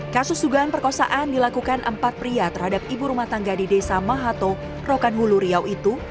kasus dugaan perkosaan dilakukan empat pria terhadap ibu rumah tangga di desa mahato rokan hulu riau itu